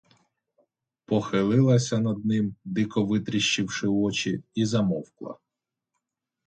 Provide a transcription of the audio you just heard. Похилилася над ним, дико витріщивши очі, і замовкла.